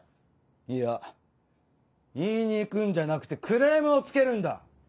いや言いに行くんじゃなくてクレームをつけるんだ。